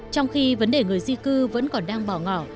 trong khi vấn đề người di cư vẫn còn đang bỏ ngỏ